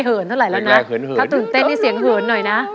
ถ้าตื่นเต้นนี่เสียงเหินหน่อยนะ